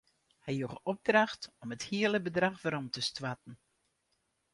Hy joech opdracht om it hiele bedrach werom te stoarten.